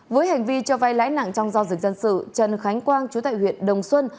với hành vi cho vai lãi nặng trong giao dịch dân sự trần khánh quang chú tại huyện đồng xuân